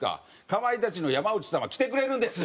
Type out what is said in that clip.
「かまいたちの山内さんは来てくれるんです」。